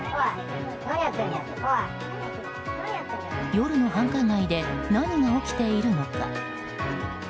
夜の繁華街で何が起きているのか。